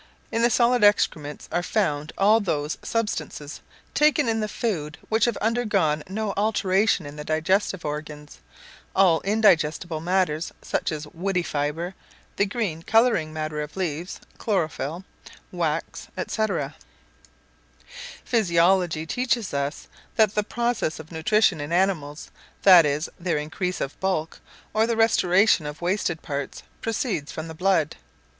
In the solid excrements are found all those substances taken in the food which have undergone no alteration in the digestive organs, all indigestible matters, such as woody fibre, the green colouring matter of leaves ( chlorophyle), wax, &c. Physiology teaches us, that the process of nutrition in animals, that is, their increase of bulk, or the restoration of wasted parts, proceeds from the blood.